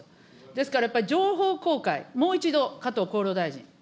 ですから、やっぱり情報公開、もう一度、加藤厚労大臣。